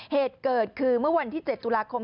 เหตุเกิดคือเมื่อวันที่๗ตุลาคม